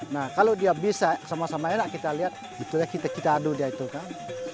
nah kalau dia bisa sama sama enak kita lihat betul kita adu dia itu kan